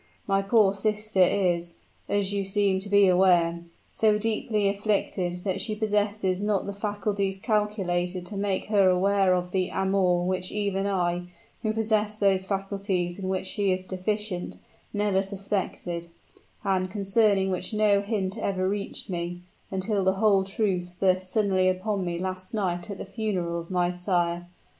"My poor sister is, as you seem to be aware, so deeply afflicted that she possesses not faculties calculated to make her aware of that amour which even I, who possess those faculties in which she is deficient, never suspected, and concerning which no hint ever reached me, until the whole truth burst suddenly upon me last night at the funeral of my sire.